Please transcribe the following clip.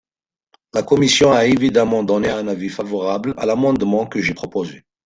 La commission a évidemment donné un avis favorable à l’amendement que j’ai proposé.